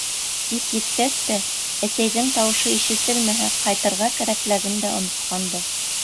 Кис еткәс тә, әсәйҙең тауышы ишетелмәһә, ҡайтырға кәрәклеген дә онотҡанбыҙ.